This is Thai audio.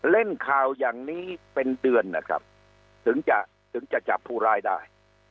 เล่นข่าวอย่างนี้เป็นเดือนนะครับถึงจะถึงจะจับผู้ร้ายได้